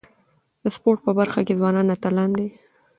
د سپورت په برخه کي ځوانان اتلان دي.